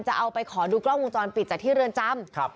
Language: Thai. จะเอาไปขอดูกล้องวงจรปิดจากที่เรือนจำ